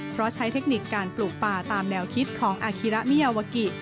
เพราะใช้เทคนิคการปลูกป่าตามแนวคิดของอาคิระมิยาวากิ